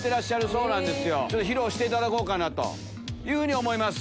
披露していただこうかなというふうに思います。